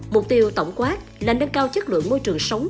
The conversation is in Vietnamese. mục tiêu tổng quát là nâng cao chất lượng môi trường sống